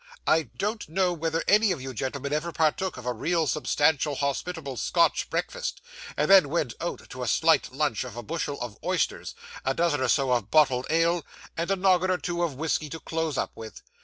I don't know whether any of you, gentlemen, ever partook of a real substantial hospitable Scotch breakfast, and then went out to a slight lunch of a bushel of oysters, a dozen or so of bottled ale, and a noggin or two of whiskey to close up with.